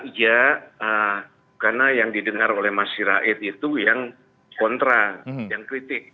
iya karena yang didengar oleh mas sirait itu yang kontra yang kritik